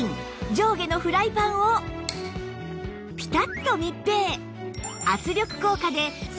上下のフライパンをピタッと密閉